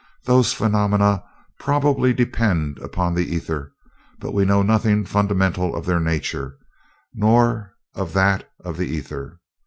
Those phenomena probably depend upon the ether, but we know nothing fundamental of their nature, nor of that of the ether.